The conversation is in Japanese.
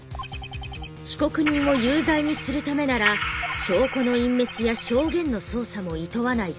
被告人を有罪にするためなら証拠の隠滅や証言の操作もいとわない強敵だ。